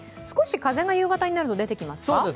少し風が夕方になると出てきますか？